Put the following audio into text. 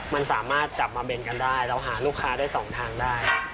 มันสามารถจับมาแบ่งกันได้เราหาลูกค้าได้สองทางได้